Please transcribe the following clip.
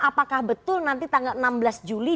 apakah betul nanti tanggal enam belas juli